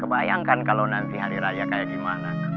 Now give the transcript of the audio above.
bayangkan kalau nanti hari raya kayak gimana